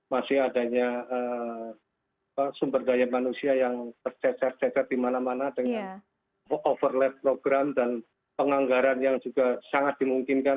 masih adanya sumber daya manusia yang tercecer cecar di mana mana dengan overlap program dan penganggaran yang juga sangat dimungkinkan